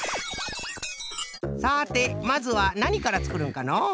さてまずはなにからつくるんかの？